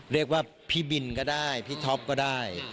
เรียกว่าพี่บินก็ได้พี่ท็อปก็ได้